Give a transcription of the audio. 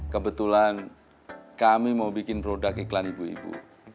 kebetulan kami mau bikin produk iklan ibu ibu